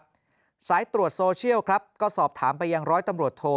สายตรวจโซเชียลครับก็สอบถามไปยังร้อยตำรวจโท